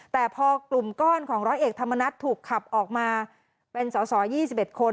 แต่พอกลุ่มก้อนของร้อยเอกธรรมนัฐถูกขับออกมาเป็นสอสอ๒๑คน